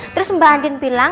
terus mbak andien bilang